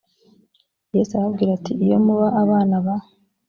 yesu arababwira ati iyo muba abana ba